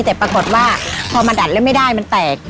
แต่ปรากฏว่าพอมาดัดแล้วไม่ได้มันแตก